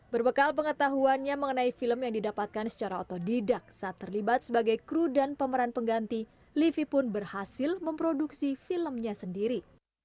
berbekal pengetahuannya mengenai film yang didapatkan secara otodidak saat terlibat sebagai kru dan pemeran pengganti livi pun berhasil memproduksi filmnya sendiri